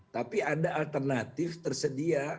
tapi ada alternatif tersedia